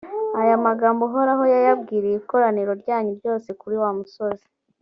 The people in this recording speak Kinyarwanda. aya magambo, uhoraho yayabwiriye ikoraniro ryanyu ryose kuri wa musozi,